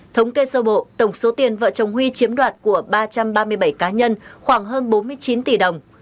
thống kê sơ bộ tổng số tiền vợ chồng huy chiếm đoạt của ba trăm ba mươi bảy cá nhân khoảng hơn bốn mươi chín tỷ đồng